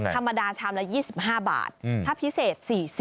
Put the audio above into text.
ธรรมดาชามละ๒๕บาทถ้าพิเศษ๔๐